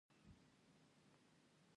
یوټوبر باید د مرکه شریک هڅوي نه سپکوي.